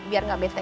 biar gak bete ya